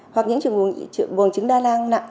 hoặc những trường hợp bùng trứng đa lang nặng